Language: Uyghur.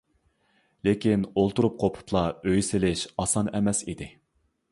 لېكىن ئولتۇرۇپ قوپۇپلا ئۆي سېلىش ئاسان ئەمەس ئىدى.